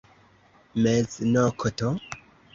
Meznokto?